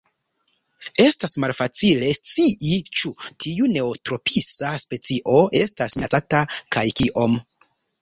Estas malfacile scii ĉu tiu neotropisa specio estas minacata kaj kiom.